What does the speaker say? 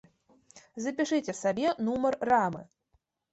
Запішыце сабе нумар рамы.